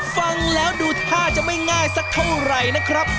ฟังแล้วดูท่าจะไม่ง่ายสักเท่าไหร่นะครับ